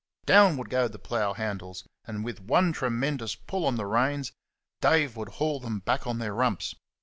Down would go the plough handles, and, with one tremendous pull on the reins, Dave would haul them back on to their rumps.